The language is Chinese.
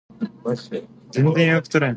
兜兜转转